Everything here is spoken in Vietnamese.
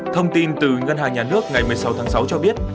thông tin từ ngân hàng nhà nước ngày một mươi sáu tháng sáu cho biết